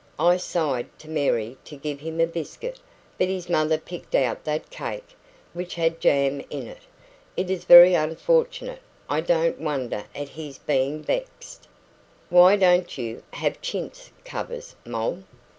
I signed to Mary to give him a biscuit, but his mother picked out that cake, which had jam in it. It is very unfortunate. I don't wonder at his being vexed." "Why don't you have chintz covers, Moll?"